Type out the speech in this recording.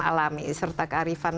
alami serta kearifan